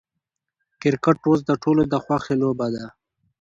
کرکټ اوس د ټولو د خوښې لوبه ده.